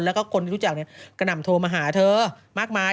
แล้วก็คนที่รู้จักเนี่ยกระหน่ำโทรมาหาเธอมากมาย